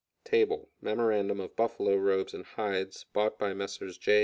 _Memorandum of buffalo robes and hides bought by Messrs J.